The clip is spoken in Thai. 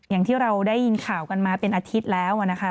อย่างที่เราได้ยินข่าวกันมาเป็นอาทิตย์แล้วนะคะ